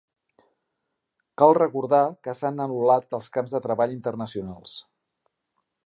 Cal recordar que s'han anul·lat els camps de treball internacionals.